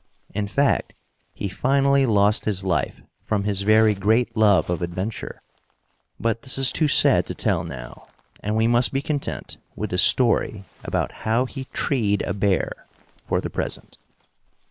In fact, he finally lost his life from his very great love of adventure. But this is too sad to tell now, and we must be content with the story about how he treed a bear for the present.